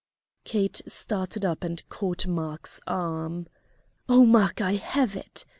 Kate started up and caught Mark's arm. "Oh, Mark! I have it!"